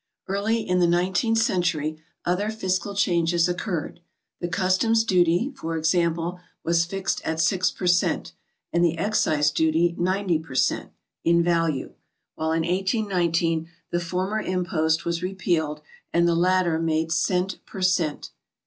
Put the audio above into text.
Early in the nineteenth century other fiscal changes occurred. The Customs' duty, for example, was fixed at 6 per cent., and the Excise duty 90 per cent. in value; while in 1819 the former impost was repealed, and the latter made cent. per cent.